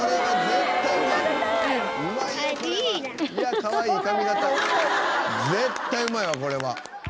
絶対うまいわこれは。